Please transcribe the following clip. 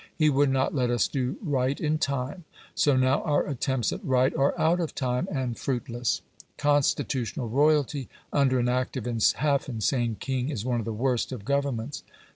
He would not let us do right in time, so now our attempts at right are out of time and fruitless. Constitutional royalty under an active and half insane king is one of the worst of Governments.